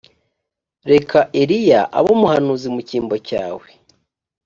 reka eliya abe umuhanuzi mu cyimbo cyawe